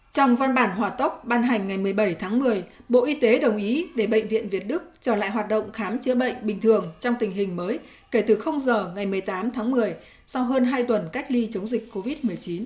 trong văn bản hòa tốc ban hành ngày một mươi bảy tháng một mươi bộ y tế đồng ý để bệnh viện việt đức trở lại hoạt động khám chữa bệnh bình thường trong tình hình mới kể từ giờ ngày một mươi tám tháng một mươi sau hơn hai tuần cách ly chống dịch covid một mươi chín